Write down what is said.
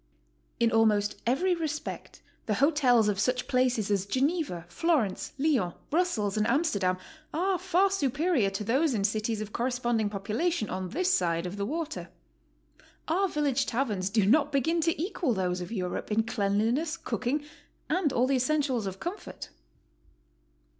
In almost every respect the hotels of such places as Geneva, Florence, Lyons, Brussels and Am sterdam are far superior to those in cities oI corresponding population on tins side of the water. Our village taverns do not begin to equal those of Europe in cleanliness, cook ing, and all the essentials of comfort.